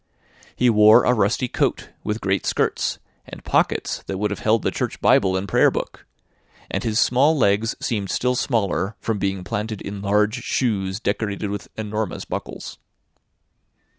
He wore a rusty coat, with great skirts, and pockets that would have held the church Bible and prayer book; and his small legs seemed still smaller, from being planted in large shoes decorated with enormous buckles.